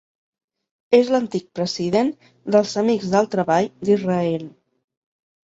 És l'antic president dels Amics del Treball d'Israel.